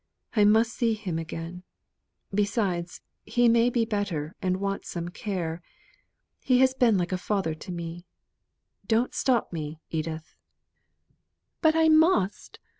I must see him again. Besides, he may be better, and want some care. He has been like a father to me. Don't stop me, Edith." "But I must.